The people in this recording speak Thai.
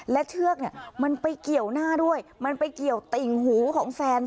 และเชือกเนี่ยมันไปเกี่ยวหน้าด้วยมันไปเกี่ยวติ่งหูของแฟน